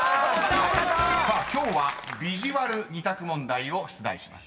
［さあ今日はビジュアル２択問題を出題します］